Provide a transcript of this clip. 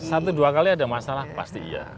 satu dua kali ada masalah pasti iya